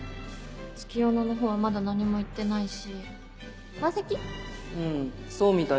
月夜野のほうはまだ何も言ってないし。